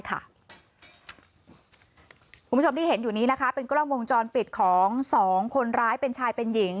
คุณผู้ชมที่เห็นอยู่นี้นะคะเป็นกล้องวงจรปิดของสองคนร้ายเป็นชายเป็นหญิง